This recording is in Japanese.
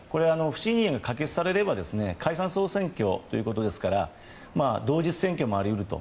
不信任案が可決されれば解散・総選挙ということですから同日選挙もあり得ると。